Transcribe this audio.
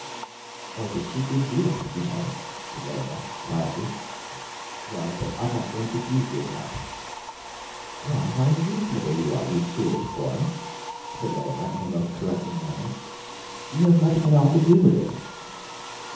"Oh, but she gives you up, you know," said Layelah, quietly. "Well, but I'm not going to be given up." "Why, how unreasonable you are, you foolish boy!" said Layelah, in her most caressing manner. "You have nothing at all to do with it."